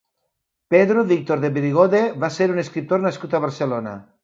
Pedro Víctor Debrigode va ser un escriptor nascut a Barcelona.